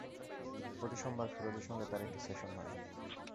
প্রতি সোমবার ফিরোজের সঙ্গে তাঁর একটি সেশন হয়।